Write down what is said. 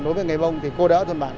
đối với người mông thì cô đỡ thôn bản